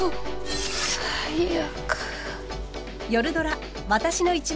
最悪。